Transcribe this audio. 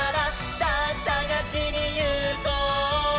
「さぁさがしにいこう」